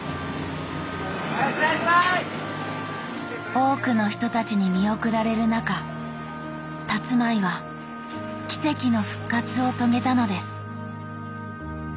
多くの人たちに見送られる中たつまいは奇跡の復活を遂げたのです。